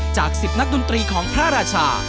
จาก๑๐นักดนตรีของพระราชา